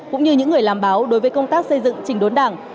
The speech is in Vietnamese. cũng như những người làm báo đối với công tác xây dựng trình đốn đảng